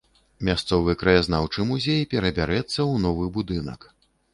Мясцовы краязнаўчы музей перабярэцца ў новы будынак.